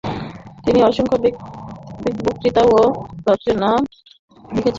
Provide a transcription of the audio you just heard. তিনি অসংখ্য বক্তৃতা ও রচনা লিখেছেন।